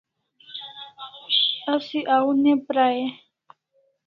Asi au ne pra e?